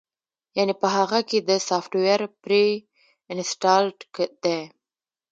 يعنې پۀ هغۀ کښې دا سافټوېر پري انسټالډ دے